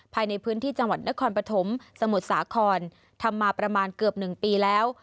ภายในพื้นที่จังหวัดนครปฐมสมุทรสาครทำมาประมาณเกือบ๑ปีแล้ว